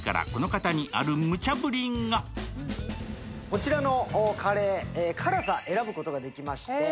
こちらのカレー、辛さを選ぶことができまして。